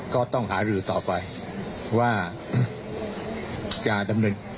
ก็ต้องหารือต่อไปว่าจะดำเนิน